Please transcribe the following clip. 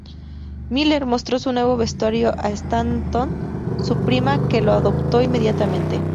Miller mostró su nuevo vestuario a Stanton, su prima, que lo adoptó inmediatamente.